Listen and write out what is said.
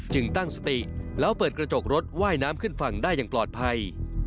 ตั้งสติแล้วเปิดกระจกรถว่ายน้ำขึ้นฝั่งได้อย่างปลอดภัย